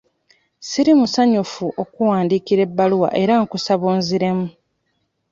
Siri musanyufu okkuwandiikira ebbaluwa era nkusaba onziremu.